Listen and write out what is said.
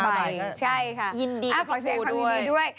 ๕ใบก็ใช่ค่ะยินดีครับขอแสดงความยินดีด้วย